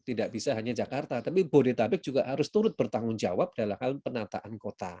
tidak bisa hanya jakarta tapi bodetabek juga harus turut bertanggung jawab dalam hal penataan kota